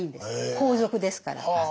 皇族ですから。